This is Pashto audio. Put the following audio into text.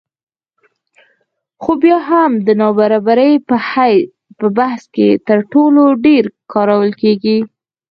خو بیا هم د نابرابرۍ په بحث کې تر ټولو ډېر کارول کېږي